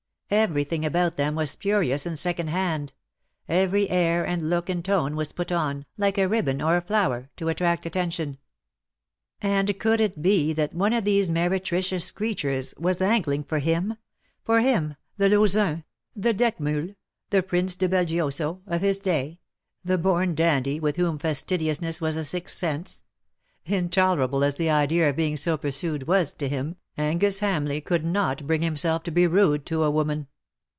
Everything about them was spurious and second hand every air and look and tone was put on, like a ribbon or a flower, to attract attention. And could it be that one of these meretricious creatures was angling for him — for him, the Lauzun, the d^Eckmiihl, the Prince de Belgioso, of his day — the born dandy, with whom fastidiousness was a sixth sense? In tolerable as the idea of being so pursued was to 232 "but it sufficeth, him, Angus Hamleigh could not bring himself to be rude to a woman.